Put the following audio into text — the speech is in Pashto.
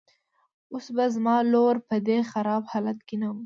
اوس به زما لور په دې خراب حالت کې نه وه.